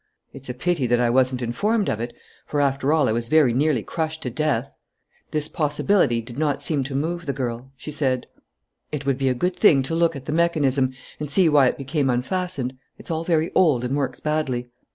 "It's a pity that I wasn't informed of it, for, after all, I was very nearly crushed to death." This possibility did not seem to move the girl. She said: "It would be a good thing to look at the mechanism and see why it became unfastened. It's all very old and works badly."